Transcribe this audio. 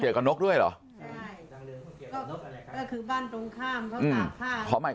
กับนกด้วยเหรอใช่ก็คือบ้านตรงข้ามเขาตากผ้าขอใหม่